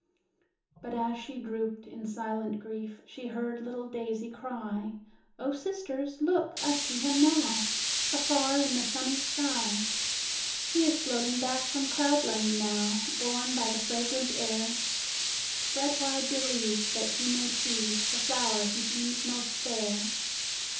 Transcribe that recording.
But as she drooped, in silent grief, She heard little Daisy cry, "O sisters, look! I see him now, Afar in the sunny sky; He is floating back from Cloud Land now, Borne by the fragrant air. Spread wide your leaves, that he may choose The flower he deems most fair."